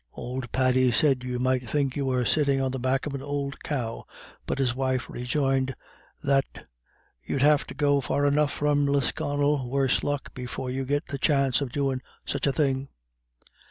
Old Paddy said you might think you were sitting on the back of an ould cow, but his wife rejoined that "you'd have to go far enough from Lisconnel, worse luck, before you'd get the chance of doin' such a thing."